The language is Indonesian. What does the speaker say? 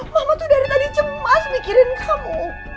mama tuh dari tadi cemas mikirin kamu